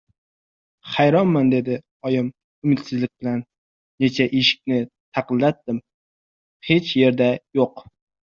— Hayronman, — dedi oyim umidsizlik bilan. — Nechta eshikni taqillatdim, hech yerda yo‘q.